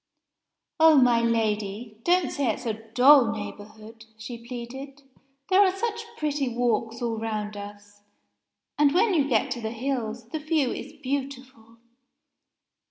"Oh, my Lady! don't say it's a dull neighborhood," she pleaded. "There are such pretty walks all round us. And, when you get to the hills, the view is beautiful."